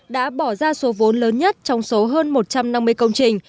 đã bỏ ra số vốn lớn nhất trong số hơn một trăm năm mươi công trình